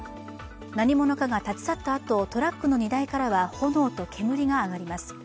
何者かが立ち去ったあと、トラックの荷台からは炎と煙が上がります。